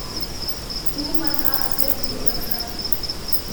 Pu man ah siapi kan ranh.